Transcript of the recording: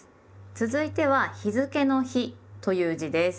続いては日付の「日」という字です。